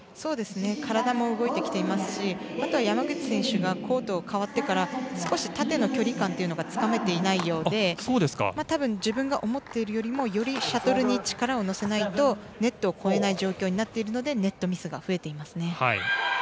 体も動いてきていますしあとは山口選手がコートを変わってから少したての距離感というのがつかめていないようでたぶん、自分が思っているよりもよりシャトルに力を乗せないとネットを越えない状況になっているのでネットミスが増えていますね。